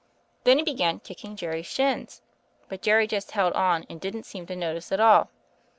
'Then he began kicking Jerry's snins, but Jerry just held on and didn't seem to notice at all.